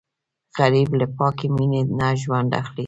غریب له پاکې مینې نه ژوند اخلي